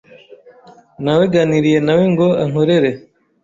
Naweganiriye nawe ngo ankorere.